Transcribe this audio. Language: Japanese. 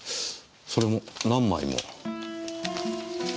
それも何枚も。